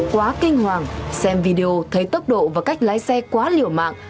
quá kinh hoàng xem video thấy tốc độ và cách lái xe quá liều mạng